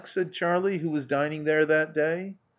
said Charlie, who was dining there that day.